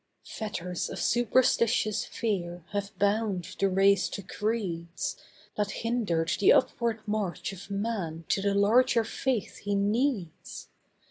Fetters of superstitious fear have bound the race to creeds That hindered the upward march of man to the larger faith he needs.